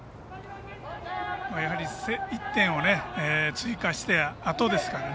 やはり１点を追加したあとですからね